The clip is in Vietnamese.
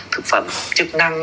thực phẩm chức năng